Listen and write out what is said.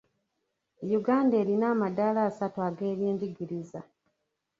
Uganda erina amadaala asatu ag'ebyenjigiriza.